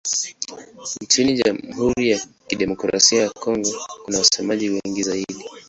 Nchini Jamhuri ya Kidemokrasia ya Kongo kuna wasemaji wengi zaidi.